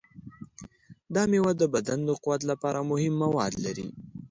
دا میوه د بدن د قوت لپاره مهم مواد لري.